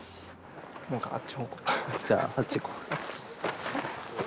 じゃああっち行こう。